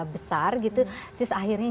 besar gitu terus akhirnya